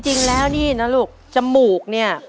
จริงแล้วนี่นะลูกจมูกเนี่ย